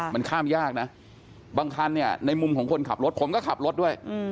มันข้ามยากนะบางคันเนี่ยในมุมของคนขับรถผมก็ขับรถด้วย